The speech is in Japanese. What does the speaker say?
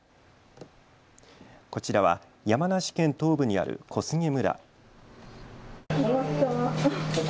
こちらは山梨県東部にある小菅村。